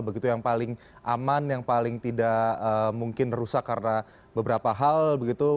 begitu yang paling aman yang paling tidak mungkin rusak karena beberapa hal begitu